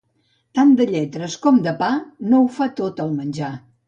Tant de lletres com de pa no ho fa tot el menjar.